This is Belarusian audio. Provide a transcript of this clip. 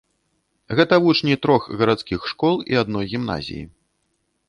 Гэта вучні трох гарадскіх школ і адной гімназіі.